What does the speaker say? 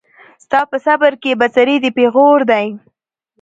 ستا په صبر کي بڅری د پېغور دی